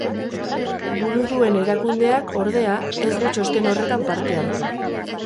Buru duen erakundeak, ordea, ez du txosten horretan parte hartu.